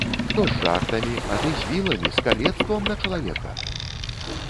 Хто з жартамі, а ты з віламі, з калецтвам на чалавека?!